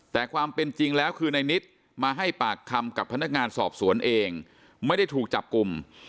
แต่ความเป็นจริงแล้วคือในนิดมาให้ปากคำกับพนักงานสอบสวนเองไม่ได้ถูกจับกลุ่ม